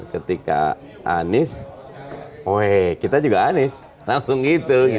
ketika anis weh kita juga anis langsung gitu